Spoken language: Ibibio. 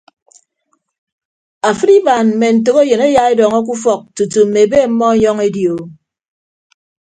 Afịd ibaan mme ntәkeyịn eya edọñọ ke ufọk tutu mme ebe ọmmọ enyọñ edi o.